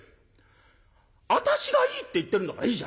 私がいいって言ってんだからいいじゃありませんか。